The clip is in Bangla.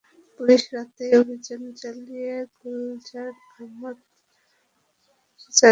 পুলিশ রাতেই অভিযান চালিয়ে গুলজার আহমদ, দুলাল আহমদসহ চারজনকে আটক করে।